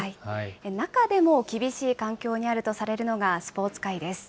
中でも厳しい環境にあるとされるのが、スポーツ界です。